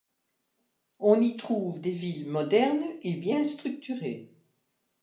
On y trouve des villes modernes et bien structurées.